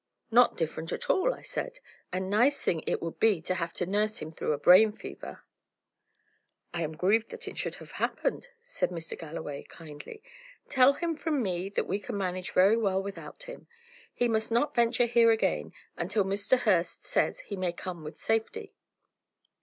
'Not different at all,' I said. A nice thing it would be to have to nurse him through a brain fever!" "I am grieved that it should have happened," said Mr. Galloway, kindly. "Tell him from me, that we can manage very well without him. He must not venture here again, until Mr. Hurst says he may come with safety."